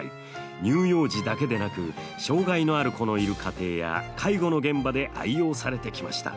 乳幼児だけでなく障害のある子のいる家庭や介護の現場で愛用されてきました。